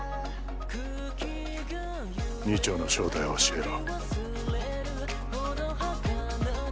二丁の正体を教えろ。